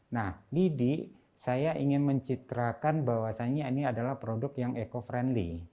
nah lidi saya ingin mencitrakan bahwasannya ini adalah produk yang eco friendly